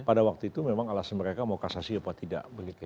pada waktu itu memang alasan mereka mau kasasi apa tidak